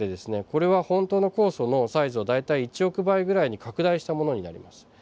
これは本当の酵素のサイズを大体１億倍ぐらいに拡大したものになります。